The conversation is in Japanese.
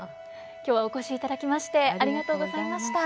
今日はお越しいただきましてありがとうございました。